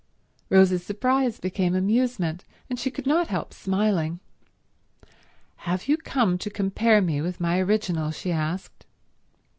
Rose's surprise became amusement, and she could not help smiling. "Have you come to compare me with my original?" she asked.